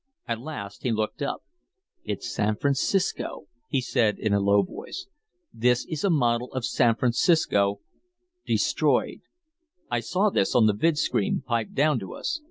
At last he looked up. "It's San Francisco," he said in a low voice. "This is a model of San Francisco, destroyed. I saw this on the vidscreen, piped down to us.